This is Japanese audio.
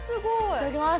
いただきます！